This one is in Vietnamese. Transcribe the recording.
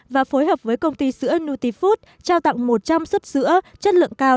và phối hợp với công ty sữa nutifood trao tặng một trăm linh xuất sữa chất lượng cao